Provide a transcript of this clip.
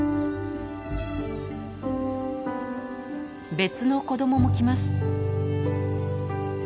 別の子供も来ます。